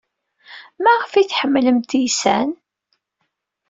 Maɣef ay tḥemmlemt iysan?